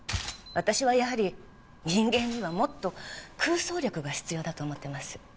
私はやはり人間にはもっと空想力が必要だと思っています。